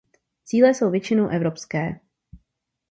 Cíle jsou většinou evropské.